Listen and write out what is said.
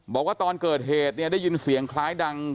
บอกว่าตอนเกิดเหตุเนี่ยได้ยินเสียงคล้ายดัง